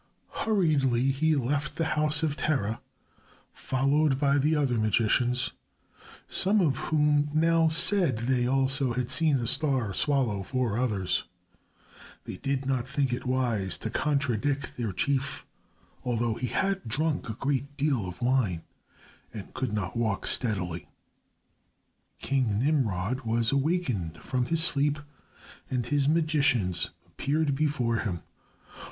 Hurriedly he left the house of Terah, followed by the other magicians, some of whom now said they also had seen a star swallow four others. They did not think it wise to contradict their chief, although he had drunk a great deal of wine and could not walk steadily. King Nimrod was awakened from his sleep, and his magicians appeared before him.